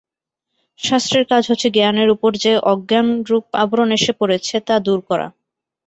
শাস্ত্রের কাজ হচ্ছে জ্ঞানের উপর যে অজ্ঞানরূপ আবরণ এসে পড়েছে, তা দূর করা।